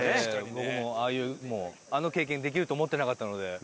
僕もああいうあの経験できると思ってなかったので。